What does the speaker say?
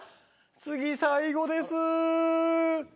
次、最後です。